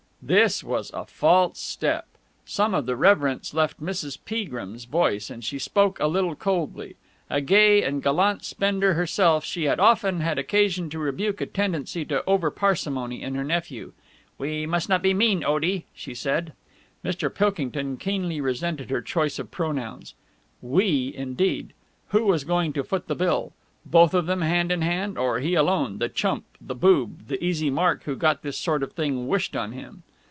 This was a false step. Some of the reverence left Mrs. Peagrim's voice, and she spoke a little coldly. A gay and gallant spender herself, she had often had occasion to rebuke a tendency to over parsimony in her nephew. "We must not be mean, Otie!" she said. Mr. Pilkington keenly resented her choice of pronouns. "We" indeed! Who was going to foot the bill? Both of them, hand in hand, or he alone, the chump, the boob, the easy mark who got this sort of thing wished on him!